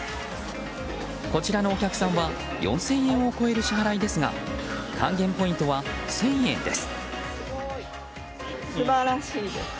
こちらのお客さんは４０００円を超える支払いですが還元ポイントは１０００円です。